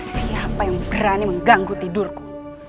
siapa yang berani mengganggu tidurku